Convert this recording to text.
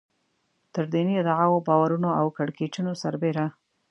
تر دیني ادعاوو، باورونو او کړکېچونو سربېره.